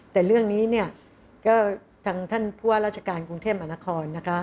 แต่เรื่องนี้เนี่ยก็ทางท่านผู้ว่าราชการกรุงเทพมหานครนะคะ